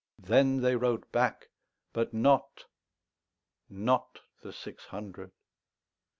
Then they rode back, but notNot the six hundred.